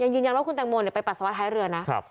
ยังยืนยังว่าคุณแตงโมเนี่ยไปปรัสสาวะท้ายเรือนะครับ